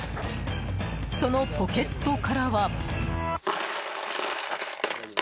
そのポケットからは。